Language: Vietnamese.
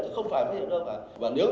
chứ không phải phát hiện đâu cả